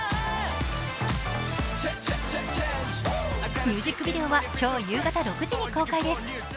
ミュージックビデオは今日夕方６時に公開です。